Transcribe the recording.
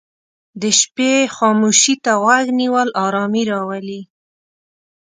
د شپې خاموشي ته غوږ نیول آرامي راولي.